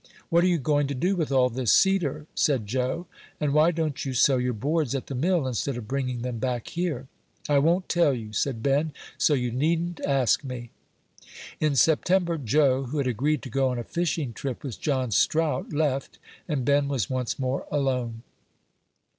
"What are you going to do with all this cedar?" said Joe; "and why don't you sell your boards at the mill, instead of bringing them back here?" "I won't tell you," said Ben; "so you needn't ask me." In September, Joe, who had agreed to go on a fishing trip with John Strout, left, and Ben was once more alone.